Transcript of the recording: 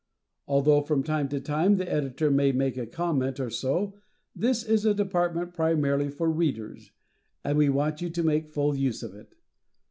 Although from time to time the Editor may make a comment or so, this is a department primarily for Readers, and we want you to make full use of it.